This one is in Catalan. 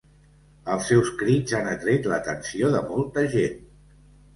Els seus crits han atret l'atenció de molta gent.